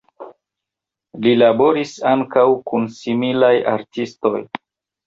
Li laboris ankaŭ kun similaj artistoj.